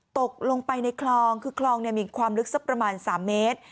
ตกลงไปในคลองคือคลองมีความลึกสักประมาณ๓เมตร